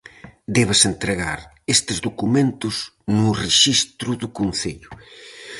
Debes entregar estes documentos no rexistro do concello.